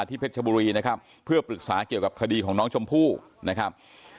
เพชรชบุรีนะครับเพื่อปรึกษาเกี่ยวกับคดีของน้องชมพู่นะครับ